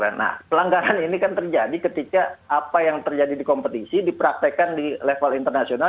nah pelanggaran ini kan terjadi ketika apa yang terjadi di kompetisi dipraktekan di level internasional